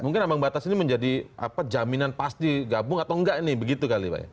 mungkin ambang batas ini menjadi jaminan pas digabung atau nggak nih begitu kali pak